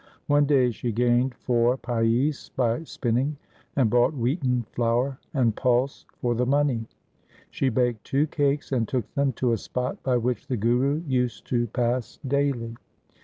One day she gained four paise by spinning, and bought wheaten flour and pulse for the money. She baked two cakes and took them to a spot by which the Guru used to pass daily.